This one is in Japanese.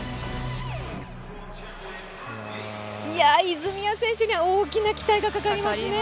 泉谷選手には大きな期待がかかりますよね。